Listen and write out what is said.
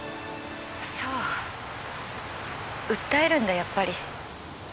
そう訴えるんだやっぱり。